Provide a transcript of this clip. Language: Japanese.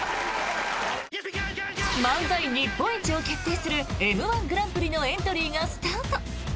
漫才日本一を決定するＭ−１グランプリのエントリーがスタート！